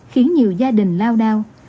khiến nhiều gia đình lao đao